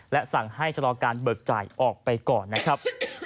และสั่งให้ชะลอการเบิกจ่ายออกไปก่อนนะครับ